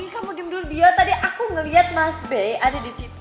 kamu diam dulu dia tadi aku ngeliat mas be ada disitu